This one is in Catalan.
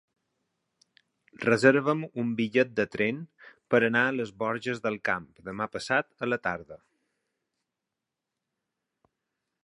Reserva'm un bitllet de tren per anar a les Borges del Camp demà passat a la tarda.